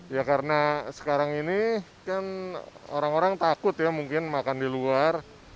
ya karena sekarang ini kan orang orang takut ya mungkin makan di luar